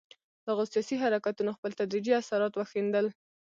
دغو سیاسي حرکتونو خپل تدریجي اثرات وښندل.